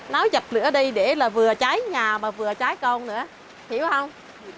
nấu dập lửa đi để là vừa cháy nhà mà vừa cháy con nữa hiểu không